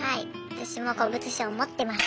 私も古物証持ってます。